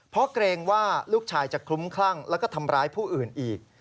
เพราะเกรงว่าลูกชายจะคลุ้มคลั่งแล้วก็ทำร้ายผู้อื่นอีก